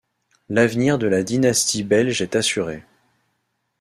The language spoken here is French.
L'avenir de la dynastie belge est assuré.